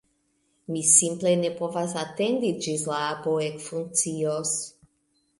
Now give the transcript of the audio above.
Mi simple ne povas atendi ĝis la apo ekfunkcios!